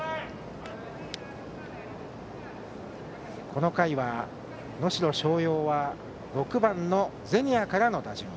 この回は能代松陽は６番の銭谷からの打順。